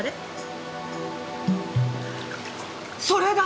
それだ！